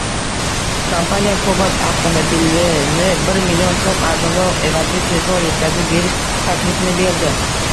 Kompaniya Cobalt avtomobilinibirmillion so‘m arzonroq evaziga tezroq yetkazib berish taklifini berdi